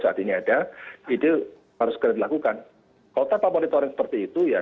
saat ini ada jadi harus sekali dilakukan kalau tak ada monitoring seperti itu ya